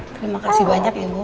terima kasih banyak ya bu